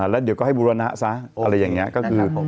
แล้วเดี๋ยวก็ให้บูรณะซะอะไรอย่างนี้ก็คือ